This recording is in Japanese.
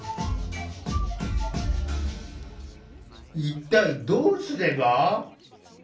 一体どうすれば？